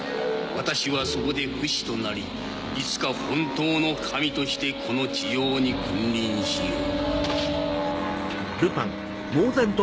私はそこで不死となりいつか本当の神としてこの地上に君臨しよう。